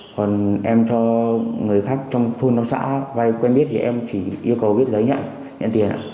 còn em cho người khác trong khuôn đồng xã vay quen biết thì em chỉ yêu cầu viết giấy nhận tiền